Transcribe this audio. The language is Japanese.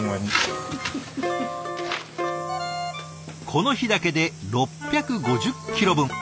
この日だけで６５０キロ分。